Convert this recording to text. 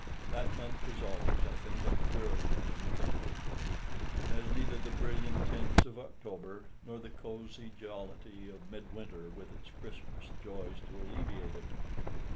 That month is always, I think, a dreary one in the country. It has neither the brilliant tints of October, nor the cosy jollity of mid winter with its Christmas joys to alleviate it.